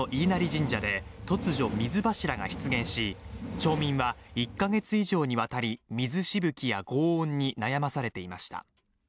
神社で突如水柱が出現し町民は１か月以上にわたり水しぶきやごう音に悩まされていました